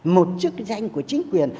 một chức danh của chính quyền